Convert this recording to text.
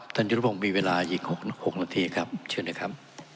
ท่านยุธพงศ์มีเวลาอีกหกหกนาทีครับเชิญหน่อยครับ